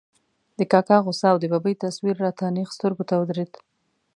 د کاکا غوسه او د ببۍ تصویر را ته نېغ سترګو ته ودرېد.